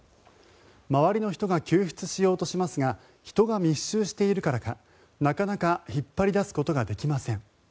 周りの人が救出しようとしますが人が密集しているからかなかなか引っ張り出すことができません。